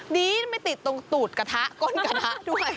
นี้ไม่ติดตรงตูดกระทะก้นกระทะด้วย